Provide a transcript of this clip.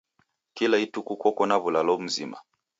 Kila ituku koko na w'ulalo mzima.